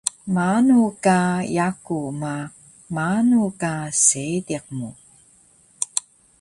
Maanu ka yaku ma, maanu ka seediq mu